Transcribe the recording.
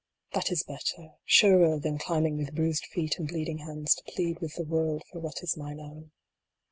That is better, surer than climbing with bruised feet and bleeding hands to plead with the world for what is mine own.